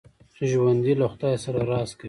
ژوندي له خدای سره راز کوي